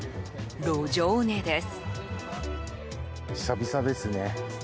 路上寝です。